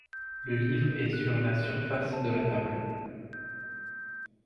Le livre est sur la surface de la table.